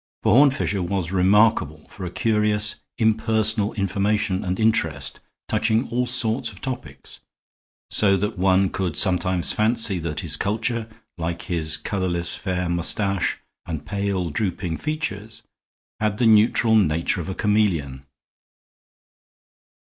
For Horne Fisher was remarkable for a curious impersonal information and interest touching all sorts of topics, so that one could sometimes fancy that his culture, like his colorless, fair mustache and pale, drooping features, had the neutral nature of a chameleon.